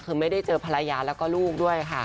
คือไม่ได้เจอภรรยาแล้วก็ลูกด้วยค่ะ